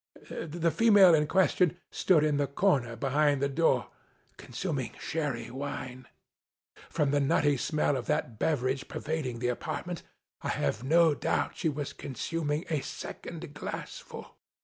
The female in question stood in the corner behind the door, consuming Sherry Wine. From the nutty smell of that beverage per vading the apartment, I have no doubt she was consuming a second glassful.